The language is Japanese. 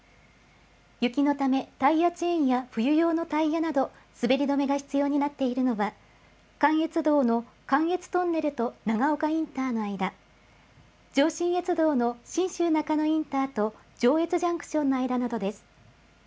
雪のため、タイヤチェーンや冬用のタイヤなど、滑り止めが必要になっているのは、関越道の関越トンネルと長岡インターの間、上信越道の信州なかのインターと上越ジャンクションの間などです。